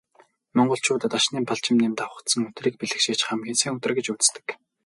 Монголчууд Дашням, Балжинням давхацсан өдрийг бэлгэшээж хамгийн сайн өдөр гэж үздэг.